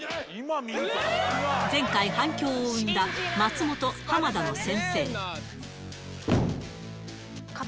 前回、反響を生んだ松本、浜田の先生。